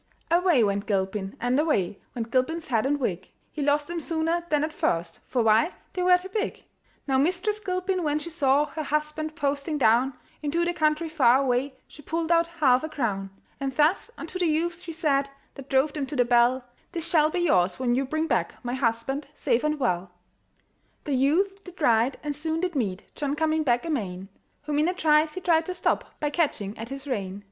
Away went Gilpin, and away Went Gilpin's hat and wig; He lost them sooner than at first, For why? they were too big. Now Mistress Gilpin, when she saw Her husband posting down Into the country far away, She pulled out half a crown; And thus unto the youth she said That drove them to the "Bell," "This shall be yours when you bring back My husband safe and well." The youth did ride, and soon did meet John coming back amain; Whom in a trice he tried to stop, By catching at his rein.